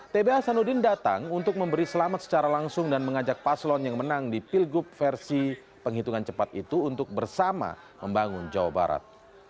tb hasanuddin datang untuk memberi selamat secara langsung dan mengajak paslon yang menang di pilgub versi penghitungan cepat itu untuk bersama membangun jawa barat